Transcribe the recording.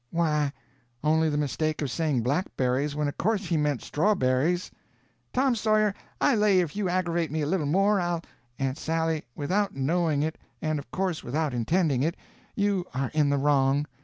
"Why, only the mistake of saying blackberries when of course he meant strawberries." "Tom Sawyer, I lay if you aggravate me a little more, I'll—" "Aunt Sally, without knowing it—and of course without intending it—you are in the wrong.